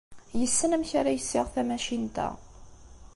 Yessen amek ara yessiɣ tamacint-a.